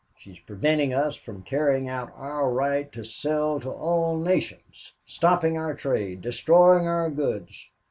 She's preventing us from carrying out our right to sell to all nations stopping our trade destroying our goods.